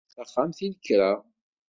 Taxxamt i lekra.